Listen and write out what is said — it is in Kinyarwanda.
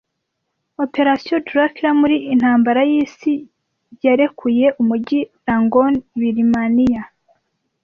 Operation Dracula muri intambara y'isiII yarekuye umujyi Rangoon Birmaniya